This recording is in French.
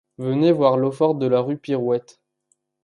Venez voir l’eau-forte de la rue Pirouette.